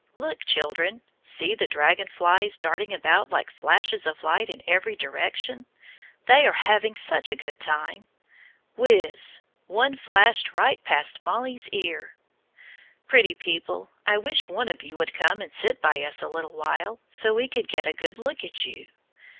Look, children; see the dragon flies darting about like flashes of light in every direction. They are having such a good time. Whizz! One flashed right past Mollie's ear. Pretty people, I wish one of you would come and sit by us a little while, so we could get a good look at you.